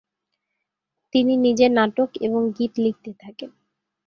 তিনি নিজে নাটক এবং গীত লিখতে থাকেন।